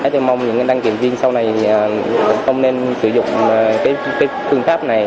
tôi mong những đăng kiểm viên sau này không nên sử dụng phương pháp này